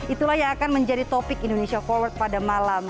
itulah yang akan menjadi topik indonesia forward pada malam